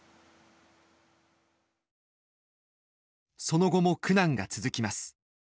その後も苦難が続きます。